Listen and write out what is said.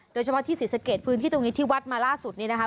โดยเฉพาะที่ศรีสะเกดพื้นที่ตรงนี้ที่วัดมาล่าสุดนี้นะคะ